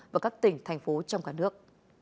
và các tỉnh thành phố trong cả nước